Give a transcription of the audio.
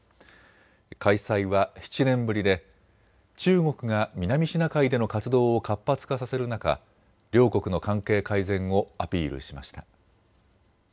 開催は７年ぶりで中国が南シナ海での活動を活発化させる中、両国の関係改善をアピールしました。